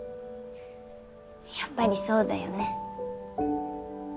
やっぱりそうだよね。